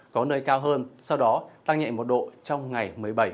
có nơi cao hơn sau đó tăng nhẹ một độ trong ngày một mươi bảy